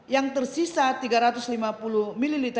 yang tersisa tiga ratus lima puluh ml